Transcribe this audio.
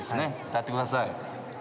歌ってください。